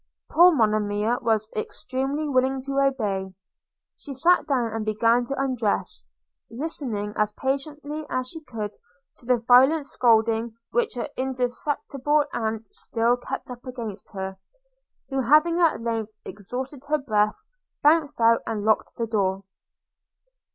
Poor Monimia was extremely willing to obey. – She sat down and began to undress, listening as patiently as she could to the violent scolding which her indefatigable aunt still kept up against her; who having at length exhausted her breath, bounced out and locked the door.